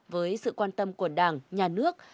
với sự quan tâm của đảng nhà nước